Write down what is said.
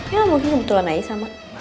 ya mungkin kebetulan aja sama